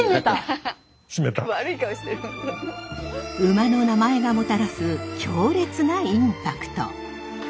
馬の名前がもたらす強烈なインパクト。